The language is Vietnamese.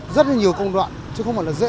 rất là nhiều công đoạn chứ không phải là dễ